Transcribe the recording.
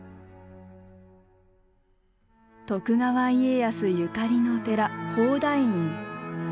徳川家康ゆかりの寺宝台院。